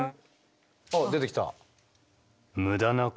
あっ出てきた。